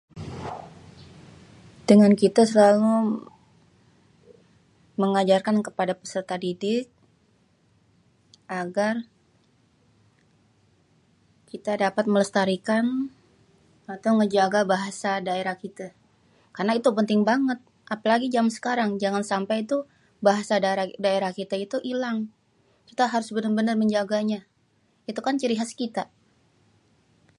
Dengan kita selalu mengajarkan kepada peserta didik agar kita dapat melestarikan atau ngejaga bahasa daerah kite, karena itu penting banget apalagi zaman sekarang jangan sampai tuh bahasa daerah kita tuh hilang kita harus bener-bener menjaganya itukan ciri khas kita